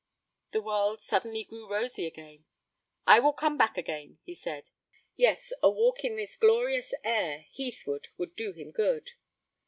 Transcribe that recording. The world suddenly grew rosy again. 'I will come back again,' he said. Yes, a walk in this glorious air heathward would do him good.